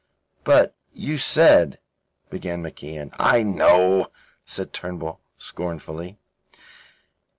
"But you said..." began MacIan. "I know," said Turnbull scornfully.